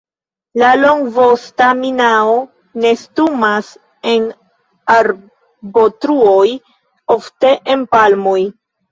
La Longvosta minao nestumas en arbotruoj, ofte en palmoj.